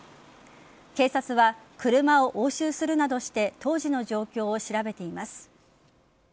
警察は車を押収するなどして当時の状況を調べています。